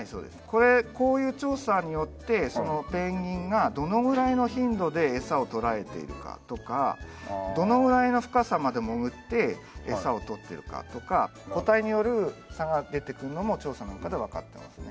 これこういう調査によってそのペンギンがどのぐらいの頻度でエサを捕らえているかとかどのぐらいの深さまで潜ってエサを捕っているかとか個体による差が出てくるのも調査なんかでわかってますね。